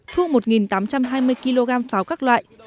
thu một tám trăm hai mươi kg pháo các loại